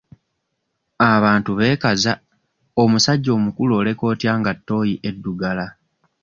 Abantu beekaza omusajja omukulu oleka otya nga ttooyi eddugala?